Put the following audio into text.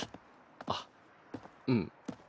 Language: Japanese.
あっうん。